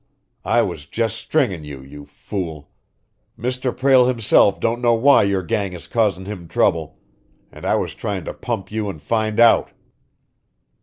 I was just stringin' you, you fool! Mr. Prale himself don't know why your gang is causin' him trouble, and I was tryin' to pump you and find out!"